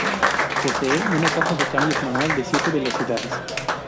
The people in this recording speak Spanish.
Posee una caja de cambios manual de siete velocidades.